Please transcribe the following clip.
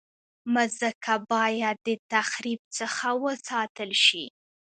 مځکه باید د تخریب څخه وساتل شي.